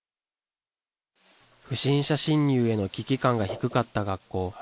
不審者侵入への危機感が低かった学校。